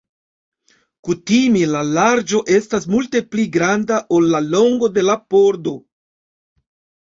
Kutime la larĝo estas multe pli granda ol la longo de la pordo.